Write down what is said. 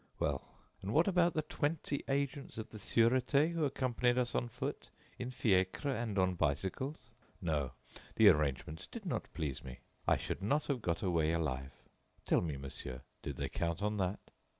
Well, and what about the twenty agents of the Sûreté who accompanied us on foot, in fiacres and on bicycles? No, the arrangement did not please me. I should not have got away alive. Tell me, monsieur, did they count on that?"